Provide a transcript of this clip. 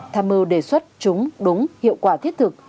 tham mưu đề xuất chúng đúng hiệu quả thiết thực